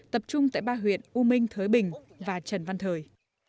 tập trung tại ba huyện u minh thới bình và trần văn thời